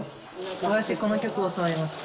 私この曲教わりました